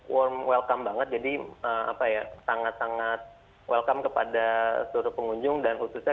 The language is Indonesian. warm welcome banget jadi apa ya sangat sangat welcome kepada seluruh pengunjung dan khususnya